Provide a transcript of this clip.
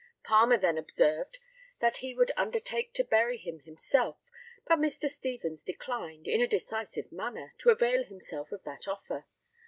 Palmer then observed that he would undertake to bury him himself, but Mr. Stevens declined, in a decisive manner, to avail himself of that offer.